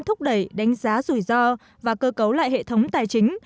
thúc đẩy đánh giá rủi ro và cơ cấu lại hệ thống tài chính